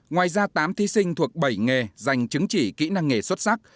ngoài ra tám thí sinh thuộc bảy nghề giành chứng chỉ kỹ năng nghề xuất sắc